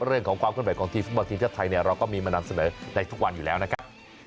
เรื่องของความขึ้นไหวของทีมฟุตบอลทีมชาติไทยเนี่ยเราก็มีมานำเสนอในทุกวันอยู่แล้วนะครับ